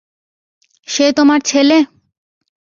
সে তোমার ছেলে?